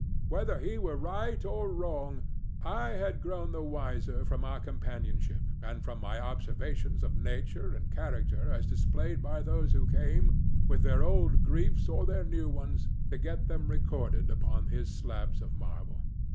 Whether he were right or wrong, I had grown the wiser from our companionship and from my observations of nature and character as displayed by those who came, with their old griefs or their new ones, to get them recorded upon his slabs of marble.